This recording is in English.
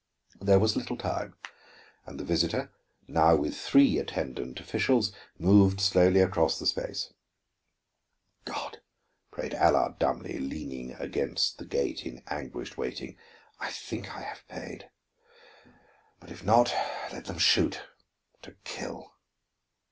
There was little time, and the visitor, now with three attendant officials, moved slowly across the space. "God," prayed Allard dumbly, leaning against the gate in anguished waiting. "I think I have paid; but if not, let them shoot to kill."